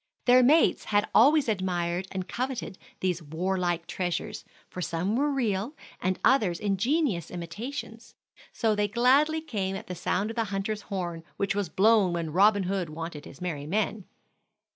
Their mates had always admired and coveted these war like treasures, for some were real, and others ingenious imitations; so they gladly came at sound of the hunter's horn which was blown when Robin Hood wanted his merry men.